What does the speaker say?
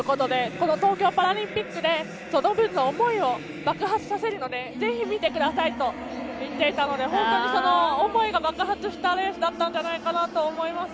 この東京パラリンピックでその分の思いを爆発させるのでぜひ見てくださいと言っていたので本当にその思いが爆発したレースだったんじゃないかと思います。